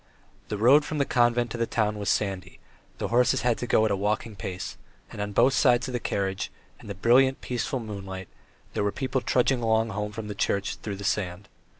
The road from the convent to the town was sandy, the horses had to go at a walking pace, and on both sides of the carriage in the brilliant, peaceful moonlight there were people trudging along home from church through the sand.